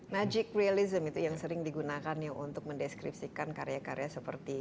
magic realism itu yang sering digunakan ya untuk mendeskripsikan karya karya seperti